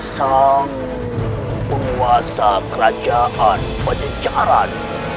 sang penguasa kerajaan penyelidikan